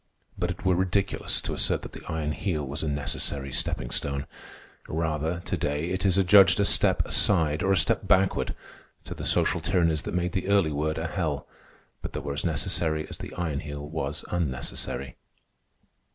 But it were ridiculous to assert that the Iron Heel was a necessary stepping stone. Rather, to day, is it adjudged a step aside, or a step backward, to the social tyrannies that made the early world a hell, but that were as necessary as the Iron Heel was unnecessary.